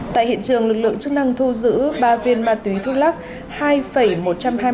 tại hiện trường lực lượng chức năng thu giữ ba viên ma túy thu lắc